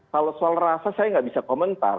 kalau soal rasa saya nggak bisa komentar